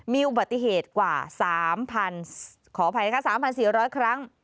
มีอุบัติเหตุกว่า๓๐๐ขออภัยนะคะ๓๔๐๐ครั้ง